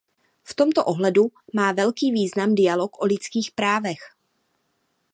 V tomto ohledu má velký význam dialog o lidských právech.